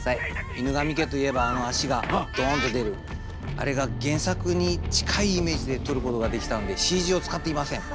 犬神家といえばあの足がドーンって出るあれが原作に近いイメージで撮ることができたのでＣＧを使っていません。